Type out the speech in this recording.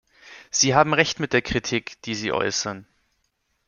Sie haben recht mit der Kritik, die Sie äußern.